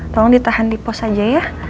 tolong ditahan di pos saja ya